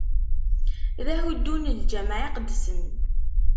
D ahuddu n Lǧameɛ iqedsen.